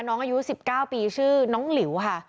น้องอายุ๑๙ปีชื่อน้องหลิวค่ะ